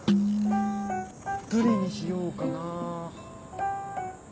どれにしようかな。